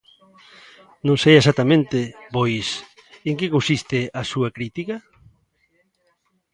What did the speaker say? Non sei exactamente, pois, en que consiste a súa crítica.